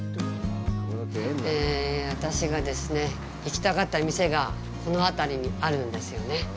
私が行きたかった店がこの辺りにあるんですよね。